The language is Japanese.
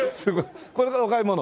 これからお買い物？